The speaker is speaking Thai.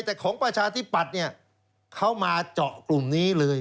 แต่ของประชาธิปัตย์เนี่ยเขามาเจาะกลุ่มนี้เลย